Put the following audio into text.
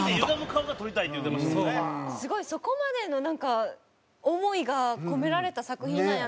すごいそこまでの思いが込められた作品なんやなって。